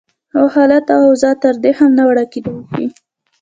خو حالت او اوضاع تر دې هم ناوړه کېدای شي.